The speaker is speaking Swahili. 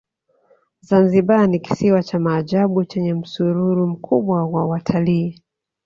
zanzibar ni kisiwa cha maajabu chenye msururu mkubwa wa watalii